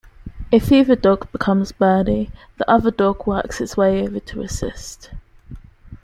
If either dog becomes birdy, the other dog works its way over to assist.